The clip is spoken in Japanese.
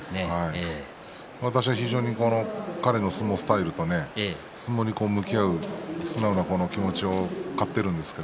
私は非常に彼の相撲スタイルと相撲に向き合う素直な気持ちを買っているんですよ。